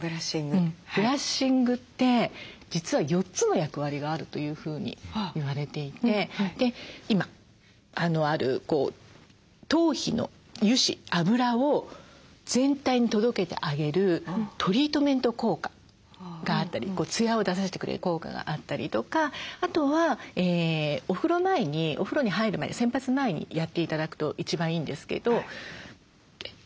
ブラッシングって実は４つの役割があるというふうに言われていて今ある頭皮の油脂脂を全体に届けてあげるトリートメント効果があったりツヤを出させてくれる効果があったりとかあとはお風呂前にお風呂に入る前に洗髪前にやって頂くと一番いいんですけどクレンジング効果。